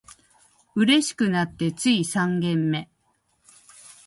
嬉しくなってつい三軒目